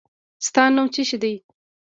د تا نوم څه شی ده؟